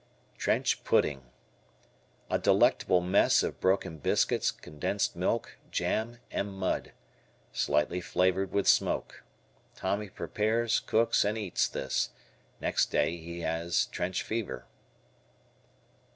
Trench Pudding. A delectable mess of broken biscuits, condensed milk, jam, and mud. Slightly flavored with smoke. Tommy prepares, cooks, and eats this. Next day he has "trench fever."